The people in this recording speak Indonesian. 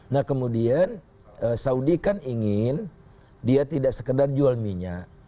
nah kemudian saudi kan ingin dia tidak sekedar jual minyak